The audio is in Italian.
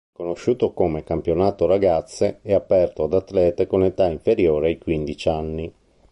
Conosciuto come "campionato Ragazze", è aperto ad atlete con età inferiore ai quindici anni.